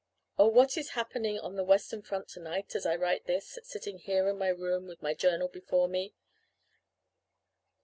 "Oh, what is happening on the western front tonight as I write this, sitting here in my room with my journal before me?